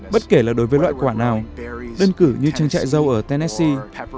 bất kể là đối với loại quả nào đơn cử như trang trại râu ở tennessee